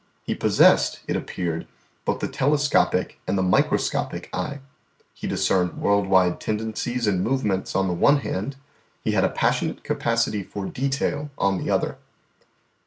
He possessed, it appeared, both the telescopic and the microscopic eye he discerned world wide tendencies and movements on the one hand; he had a passionate capacity for detail on the other.